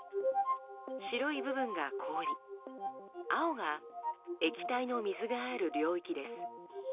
白い部分が氷青が液体の水がある領域です。